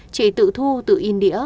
chỉ tự thu tự in đĩa